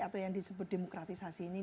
atau yang disebut demokratisasi ini